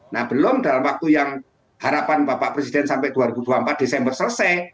nah belum dalam waktu yang harapan bapak presiden sampai dua ribu dua puluh empat desember selesai